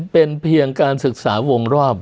เป็นเพียงการศึกษาวงรอบ